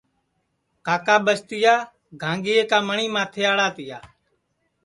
کاکا ٻستِیا گھانٚگِئے کا مٹؔی ماتھیڑا تِیا